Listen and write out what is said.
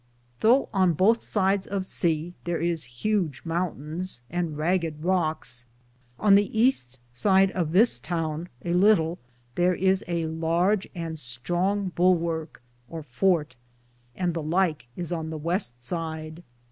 Thoughe on bothe sides of seae tharis hudge mountains and Raged Rockes, on the Easte end of this towne a litle tharis a Large and stronge bullworke (or forte), and the Lyke is on the weste side.